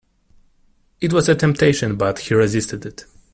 It was a temptation, but he resisted it.